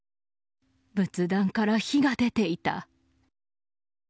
仏壇から火が出ていた。